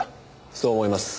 そう思います。